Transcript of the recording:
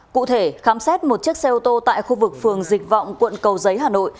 cụ thể khám xét một chiếc xe ô tô tại khu vực phường dịch vọng quận cầu giấy hà nội